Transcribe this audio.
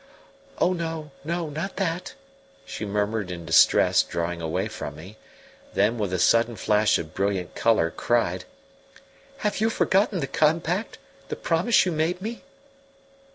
"Oh no, no, not that!" she murmured in distress, drawing away from me; then with a sudden flash of brilliant colour cried: "Have you forgotten the compact the promise you made me?"